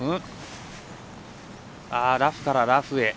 ラフからラフへ。